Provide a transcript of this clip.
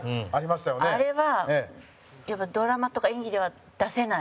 あれは、やっぱりドラマとか演技では出せない。